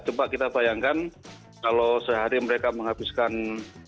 coba kita bayangkan kalau sehari mereka menghabiskan dua puluh ribu rupiah satu bungkus rokok